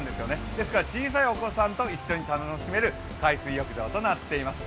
ですから小さいお子さんと一緒に楽しめる海水浴場となっています。